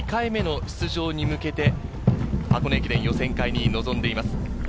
２年連続２回目の出場に向けて、箱根駅伝予選会に臨んでいます。